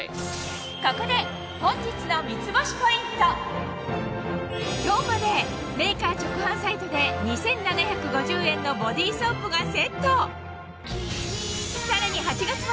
ここで本日のメーカー直販サイトで２７５０円のボディソープがセット